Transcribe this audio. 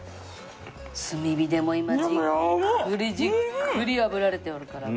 炭火で今じっくりじっくりあぶられておるから。